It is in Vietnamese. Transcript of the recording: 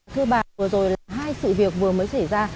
thưa bà vừa rồi là hai sự việc vừa mới xảy ra